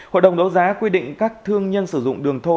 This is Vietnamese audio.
hội đồng đấu giá quy định các thương nhân sử dụng đường thô